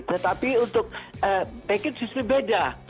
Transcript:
tetapi untuk pak hidjis beda